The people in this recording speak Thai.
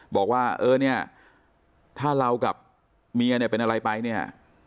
บอกว่าเออเนี่ยถ้าเรากับเมียเนี่ยเป็นอะไรไปเนี่ย